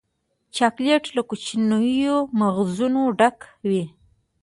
چاکلېټ له کوچنیو مغزونو ډک وي.